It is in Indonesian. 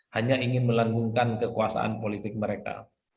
hanya ingin melengkungkan kekuasaan politik mereka